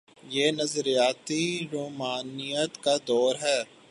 یہ نظریاتی رومانویت کا دور تھا۔